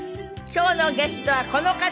今日のゲストはこの方。